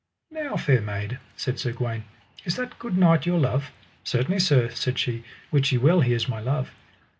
Now, fair maid, said Sir Gawaine, is that good knight your love? Certainly sir, said she, wit ye well he is my love.